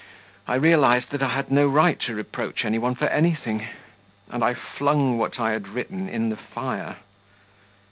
I realised that I had no right to reproach any one for anything, and I flung what I had written in the fire.